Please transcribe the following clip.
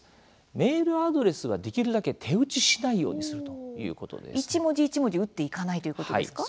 メールアドレスはできるだけ手打ちしないようにする一文字一文字打っていかないということですか？